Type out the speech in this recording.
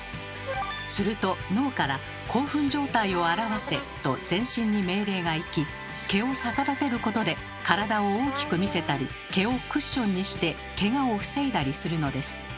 すると脳から「興奮状態を表せ」と全身に命令が行き毛を逆立てることで体を大きく見せたり毛をクッションにしてけがを防いだりするのです。